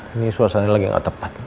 ini suasananya lagi nggak tepat